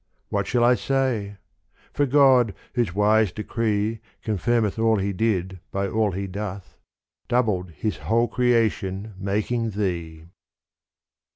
What shall I say } for God — whose wise decree Confirmeth all He did by all He doth — Doubled His whole creation making thee.